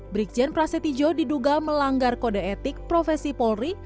bikjen prasetyjo diduga melanggar kode etik profesi polri